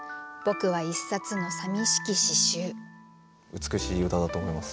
美しい歌だと思います。